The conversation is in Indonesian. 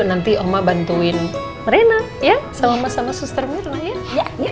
nanti oma bantuin merena ya sama sama suster mirna ya